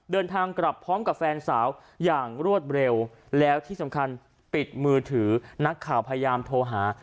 เดินทางกลับพร้อมกับแฟนสาวอย่างรวดเร็วแล้วที่สำคัญปิดมือถือนักข่าวพยายามโทรหา